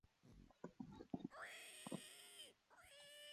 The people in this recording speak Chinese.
装饰陶器显示了经典的波斯园林垂直交叉式结构。